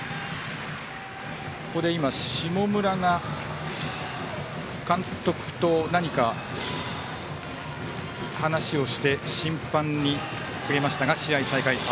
下村が監督と何か話をして審判に告げましたが、試合再開。